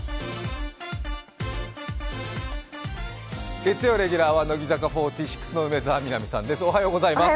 月曜レギュラーは乃木坂４６の梅澤美波さんです。